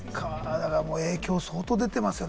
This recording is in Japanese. だから影響は相当出てますね。